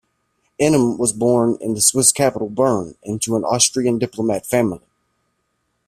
Einem was born in the Swiss capital Bern into an Austrian diplomat family.